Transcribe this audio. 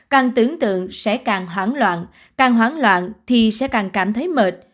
càng tưởng tượng sẽ càng hoảng loạn càng hoán loạn thì sẽ càng cảm thấy mệt